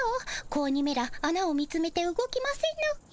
子鬼めらあなを見つめて動きませぬ。